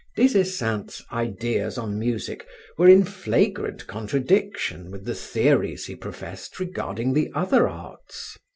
Des Esseintes' ideas on music were in flagrant contradiction with the theories he professed regarding the other arts.